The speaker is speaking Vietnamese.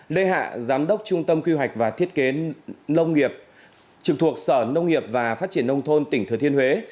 lê hạ giám đốc trung tâm quy hoạch và thiết kế nông nghiệp trực thuộc sở nông nghiệp và phát triển nông thôn tỉnh thừa thiên huế